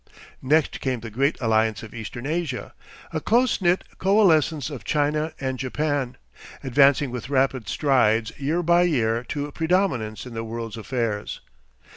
Next came the great alliance of Eastern Asia, a close knit coalescence of China and Japan, advancing with rapid strides year by year to predominance in the world's affairs.